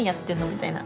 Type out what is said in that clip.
みたいな。